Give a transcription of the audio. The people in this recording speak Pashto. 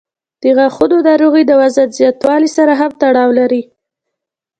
د غاښونو ناروغۍ د وزن زیاتوالي سره هم تړاو لري.